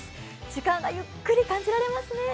時間がゆっくり感じられますね。